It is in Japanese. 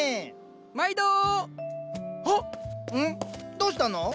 どうしたの？